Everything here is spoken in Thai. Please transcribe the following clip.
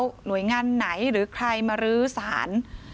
แล้วหนวยงั้นไหนหรือใครที่มารื้อศาล